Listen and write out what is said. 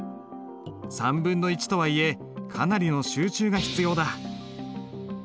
1/3とはいえかなりの集中が必要だ。